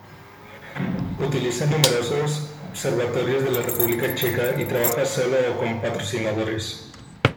Utiliza numerosos observatorios de la República Checa, y trabaja solo o con patrocinadores.